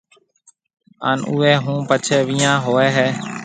هانَ اُوئي هون پڇيَ ويهان هوئي هيَ۔